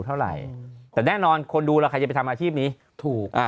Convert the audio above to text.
เท่าไหร่แต่แน่นอนคนดูแล้วใครจะไปทำอาชีพนี้ถูกอ่า